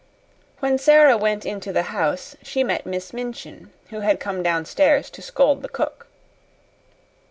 When Sara went into the house she met Miss Minchin, who had come downstairs to scold the cook.